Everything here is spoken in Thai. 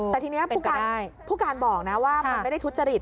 แต่ทีนี้ผู้การบอกนะว่ามันไม่ได้ทุจริต